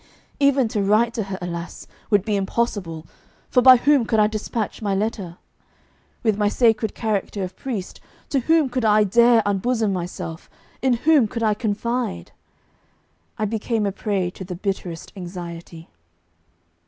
Even to write to her, alas! would be impossible, for by whom could I dispatch my letter? With my sacred character of priest, to whom could I dare unbosom myself, in whom could I confide? I became a prey to the bitterest anxiety.